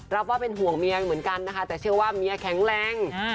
รับว่าเป็นห่วงเมียเหมือนกันนะคะแต่เชื่อว่าเมียแข็งแรง